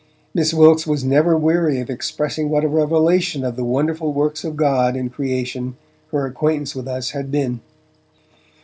Miss Wilkes was never weary of expressing what a revelation of the wonderful works of God in creation her acquaintance with us had been.